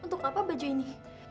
untuk apa baju ini